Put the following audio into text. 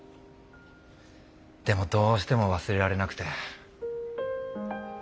でもどうしても忘れられなくて。